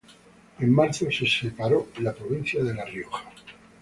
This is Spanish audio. En marzo se separó la Provincia de La Rioja.